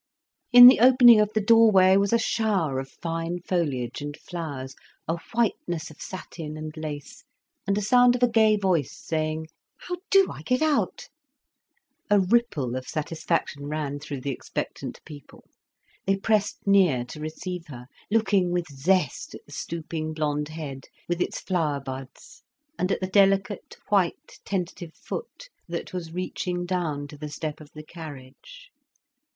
In the opening of the doorway was a shower of fine foliage and flowers, a whiteness of satin and lace, and a sound of a gay voice saying: "How do I get out?" A ripple of satisfaction ran through the expectant people. They pressed near to receive her, looking with zest at the stooping blond head with its flower buds, and at the delicate, white, tentative foot that was reaching down to the step of the carriage.